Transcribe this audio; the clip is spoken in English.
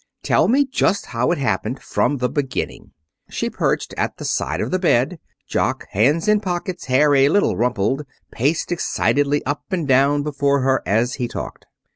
Tell me just how it happened. From the beginning." She perched at the side of the bed. Jock, hands in pockets, hair a little rumpled, paced excitedly up and down before her as he talked.